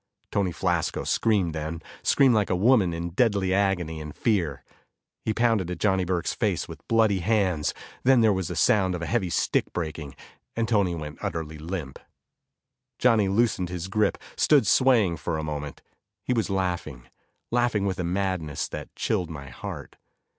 Tony Flasco screamed then, screamed like a woman in deadly agony and fear. He pounded at Johnny Burke's face with bloody hands. Then there was the sound of a heavy stick breaking, and Tony went utterly limp. Johnny loosened his grip, stood swaying for a moment. He was laughing, laughing with a madness that chilled my heart.